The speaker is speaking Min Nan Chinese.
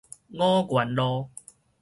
五原路